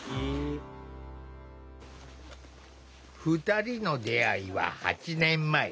２人の出会いは８年前。